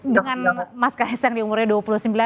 dengan mas ks yang di umurnya dua puluh sembilan